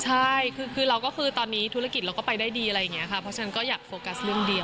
ใช่คือเราก็คือตอนนี้ธุรกิจเราก็ไปได้ดีอะไรอย่างนี้ค่ะเพราะฉะนั้นก็อยากโฟกัสเรื่องเดียว